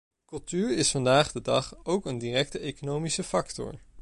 Cultuur is vandaag de dag ook een directe economische factor.